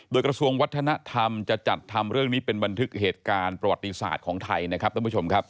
โดยกระทรวงวัฒนธรรมจะจัดทำเรื่องนี้เป็นบันทึกเหตุการณ์ประวัติศาสตร์ของไทย